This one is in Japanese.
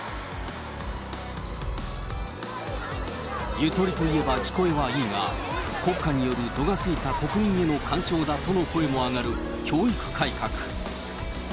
ゆとりといえば聞こえはいいが、国家による度が過ぎた国民への干渉だとの声も上がる教育改革。